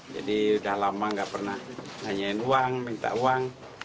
jadi sudah lama tidak pernah nanyain uang minta uang